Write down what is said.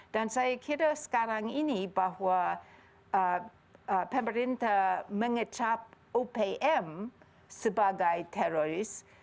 dan saya kira sekarang ini bahwa pemerintah mengecap opm sebagai teroris